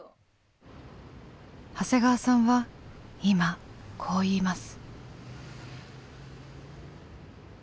長谷川さんは今こう言います。